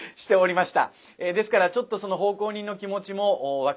ですからちょっとその奉公人の気持ちも分かるんですよね。